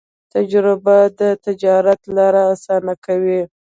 تجربه د تجارت لارې اسانه کوي.